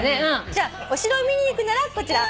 じゃあ「お城を見に行くなら」